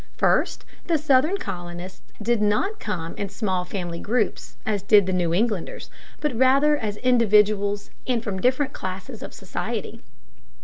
First, the Southern colonists did not come in small family groups, as did the New Englanders, but rather as individuals and from different classes of society.